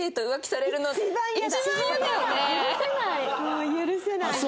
うん許せないね。